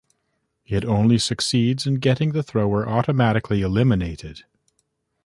It only succeeds in getting the thrower automatically eliminated.